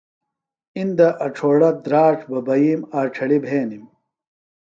اندہ اڇھوڑہ، دھراڇ، ببائیم، آݜڑیۡ بھینِم۔